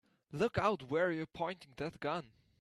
Look out where you're pointing that gun!